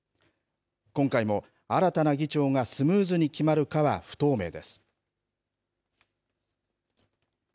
今回も、新たな議長がスムーズに決まるかは不透明です。